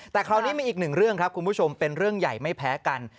แต่คราวนี้มีอีกหนึ่งเรื่องครับคุณผู้ชมเป็นเรื่องใหญ่ไม่แพ้กัน